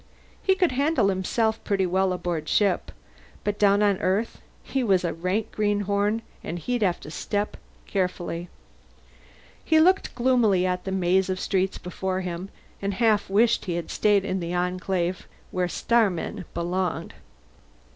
He could handle himself pretty well aboard ship, but down on Earth he was a rank greenhorn and he'd have to step carefully. He looked gloomily at the maze of streets before him and half wished he had stayed in the Enclave, where starmen belonged.